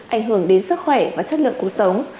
ảnh hưởng đến sức khỏe và chất lượng cuộc sống